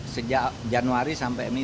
sejak januari sampai ini